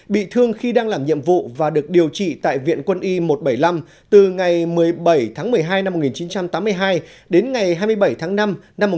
bị thương khi đang làm nhiệm vụ và được điều trị tại viện quân y một trăm bảy mươi năm từ ngày một mươi bảy tháng một mươi hai năm một nghìn chín trăm tám mươi hai đến ngày hai mươi bảy tháng năm năm một nghìn chín trăm bảy mươi